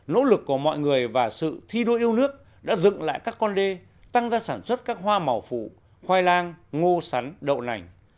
nỗ lực của mọi người và sự thi đua yêu nước đã dựng lại các con đê tăng ra sản xuất các hoa màu phụ khoai lang ngô sắn đậu nành